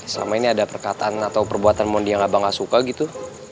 selama ini ada perkataan atau perbuatan mondi yang abang nggak suka gitu